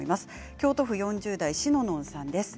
京都府４０代の方からです。